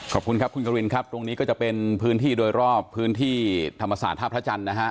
ขอบคุณครับคุณกรินครับตรงนี้ก็จะเป็นพื้นที่โดยรอบพื้นที่ธรรมศาสตร์ท่าพระจันทร์นะฮะ